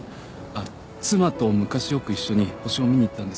妻と昔よく一緒に星を見に行ったんです。